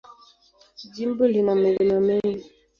Jimbo lina milima mingi.